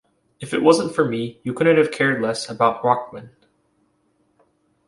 If it wasn't for me - you couldn't have cared less about Rachman.